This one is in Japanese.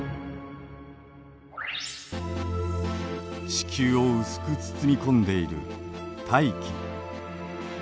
地球を薄く包み込んでいる大気。